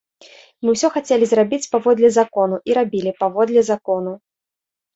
Мы ўсё хацелі зрабіць паводле закону і рабілі паводле закону.